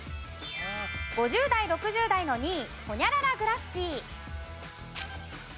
５０代６０代の２位ホニャララグラフィティ。